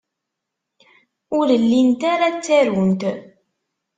Ur llint ara ttarunt.